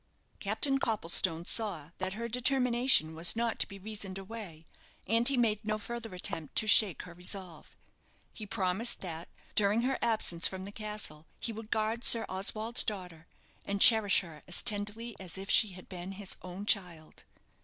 Captain Copplestone saw that her determination was not to be reasoned away, and he made no further attempt to shake her resolve. He promised that, during her absence from the castle, he would guard Sir Oswald's daughter, and cherish her as tenderly as if she had been his own child.